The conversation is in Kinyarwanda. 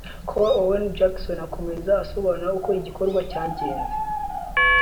Col Owen Johnson akomeza asobanura uko igikorwa cyagenze